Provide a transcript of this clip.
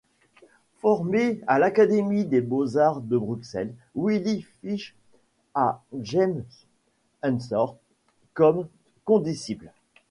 Formé à l'Académie des beaux-arts de Bruxelles, Willy Finch a James Ensor comme condisciple.